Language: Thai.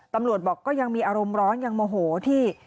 ตำรวจบอกก็ยังมีอารมณ์ร้อนยังโมโหที่